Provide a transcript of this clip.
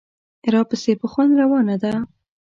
راپسې په خوند روانه ده.